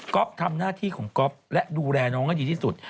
ทำหน้าที่ของก๊อฟและดูแลน้องให้ดีที่สุด